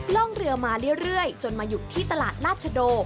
ร่องเรือมาเรื่อยจนมาหยุดที่ตลาดราชโด